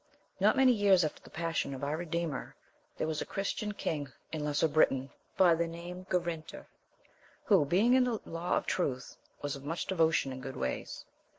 OT many years after the passion of our Re deemer, there was a Christian king in the lesser Britain, by name Garinter, who, being in the law of truth, was of much devotion and good ways.